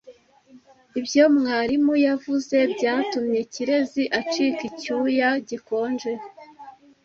Ibyo mwarimu yavuze byatumye Kirezi acika icyuya gikonje.